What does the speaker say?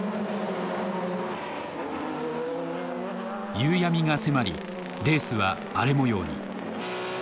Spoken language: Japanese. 夕闇が迫りレースは荒れもように。